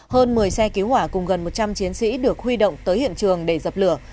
hơn một mươi xe cứu hỏa cùng gần một trăm linh chiến sĩ được huy động tới hiện trường để dập lửa